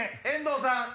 遠藤さん